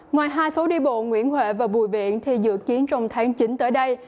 ngoài hai phố đi bộ nguyễn huệ và bùi viện thì dự kiến trong tháng chín tới đây